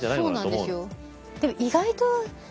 そうなんですよ。